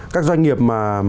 các doanh nghiệp mà